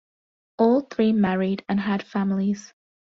All three married and had families.